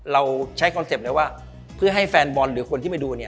เราใช้คอนเซ็ปต์เลยว่าเพื่อให้แฟนบอลหรือคนที่มาดูเนี่ย